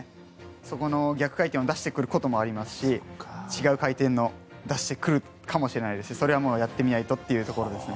そこの逆回転を出してくることもありますし違う回転のを出してくるかもしれないですしそれはもうやってみないとというところですね。